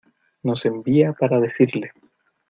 nos envía para decirle...